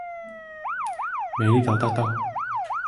美麗島大道